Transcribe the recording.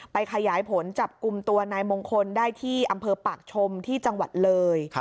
ขยายผลจับกลุ่มตัวนายมงคลได้ที่อำเภอปากชมที่จังหวัดเลย